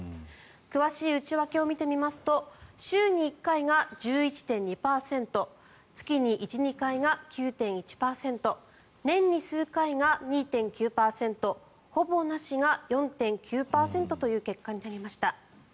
詳しい内訳を見てみますと週に１回が１１．２％月に１２回が９．１％年に数回が２．９％ほぼなしが、４．９％という結果になりました。